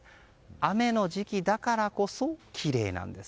雨の時期だからこそきれいなんです。